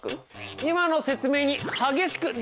今の説明に激しく同意角。